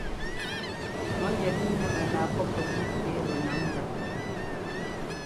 Mɔ̌ ŋɛt wú nɛ mɛnaa pɔ́p pɛ́shʉn pi ɛ́ lɔ ńnáŋ ndá.